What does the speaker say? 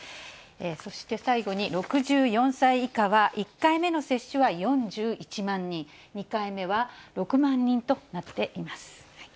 そして最後に６４歳以下は、１回目の接種は４１万人、２回目は６万人となっています。